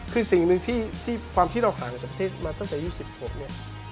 คือสิ่งหนึ่งที่ความที่เราห่างจากประเทศมาตั้งแต่ยุค๑๖เนี่ย